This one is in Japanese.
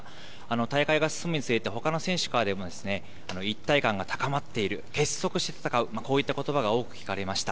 大会が進むにつれて、ほかの選手からも、一体感が高まっている、結束して戦う、こういったことばが多く聞かれました。